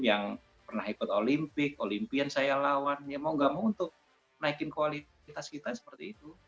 yang pernah ikut olimpik olimpian saya lawan ya mau gak mau untuk naikin kualitas kita seperti itu